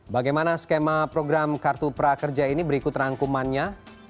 bagaimana skema program kartu prakerja ini berikut rangkumannya